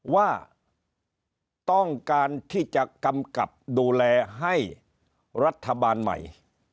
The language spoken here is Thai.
ว่าต้องการที่จะกำกับดูแลให้รัฐบาลใหม่